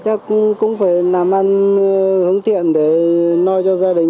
chắc cũng phải làm ăn hứng tiện để nôi cho gia đình